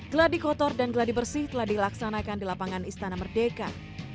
geladi kotor dan geladi bersih telah dilaksanakan di lapangan istana merdeka